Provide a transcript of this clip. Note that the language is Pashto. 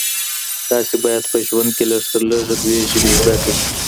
تاسي باید په ژوند کي لږ تر لږه دوې ژبې زده کړئ.